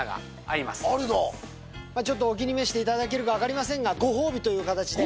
ちょっとお気に召していただけるか分かりませんが、ご褒美という形で。